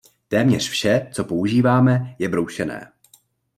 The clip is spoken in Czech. Téměř vše, co používáme, je broušené.